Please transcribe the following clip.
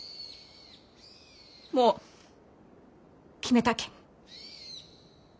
もう決めたけん。